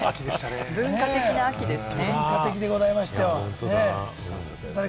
文化的な秋でしたね。